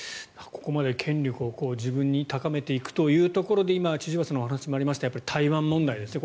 ここまで権力を自分に高めていくというところで今、千々岩さんのお話にもあった台湾問題ですね。